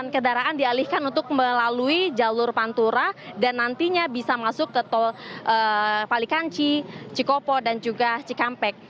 kendaraan dialihkan untuk melalui jalur pantura dan nantinya bisa masuk ke tol palikanci cikopo dan juga cikampek